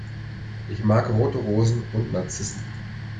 Ich mag rote Rosen und Narzissen.